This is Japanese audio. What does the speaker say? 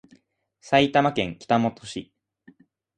埼玉県北本市